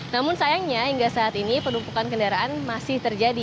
namun sayangnya hingga saat ini penumpukan kendaraan masih terjadi